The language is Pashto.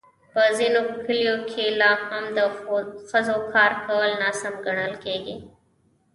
په ځینو کلیو کې لا هم د ښځو کار کول ناسم ګڼل کېږي.